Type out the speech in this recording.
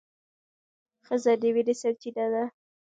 ښځه د مينې سرچينه ده